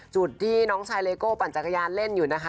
จุดที่น้องชายเลโก้ปั่นจักรยานเล่นอยู่นะคะ